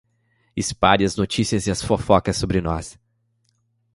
Espalhe as notícias e as fofocas sobre nós